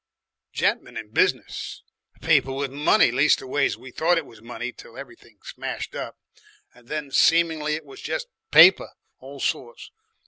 "Gent'men in business, people with money leastways we thought it was money till everything smashed up, and then seemingly it was jes' paper all sorts.